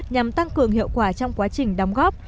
nhằm tăng cường hiệu quả trong quá trình đóng góp